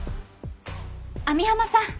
網浜さん！